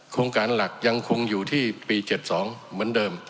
โครงการหลักยังคงอยู่ที่ปี๗๒เหมือนเดิม